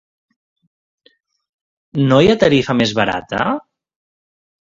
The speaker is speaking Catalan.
No hi ha tarifa mes barataa¿.